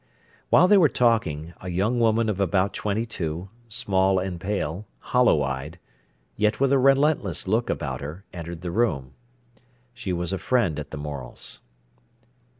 While they were talking, a young woman of about twenty two, small and pale, hollow eyed, yet with a relentless look about her, entered the room. She was a friend at the Morel's.